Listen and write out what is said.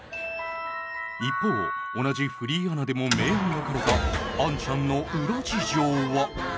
一方同じフリーアナでも明暗分かれたアンちゃんの裏事情は？